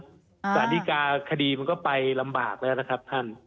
สารดีกาคดีมันก็ไปลำบากแล้วนะครับท่าน